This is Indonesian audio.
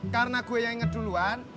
karena gue yang inget duluan